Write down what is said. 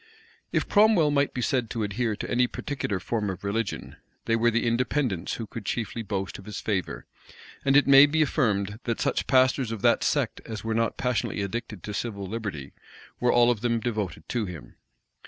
If Cromwell might be said to adhere to any particular form of religion, they were the Independents who could chiefly boast of his favor; and it may be affirmed, that such pastors of that sect as were not passionately addicted to civil liberty, were all of them devoted to him.